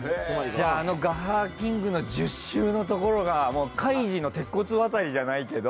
じゃああの「ＧＡＨＡＨＡキング」の１０週のところがもう「カイジ」の鉄骨渡りじゃないけど。